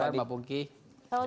selamat malam pak fadli